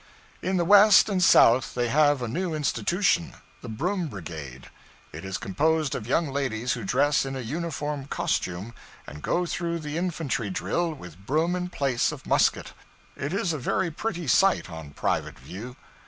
In the West and South they have a new institution the Broom Brigade. It is composed of young ladies who dress in a uniform costume, and go through the infantry drill, with broom in place of musket. It is a very pretty sight, on private view.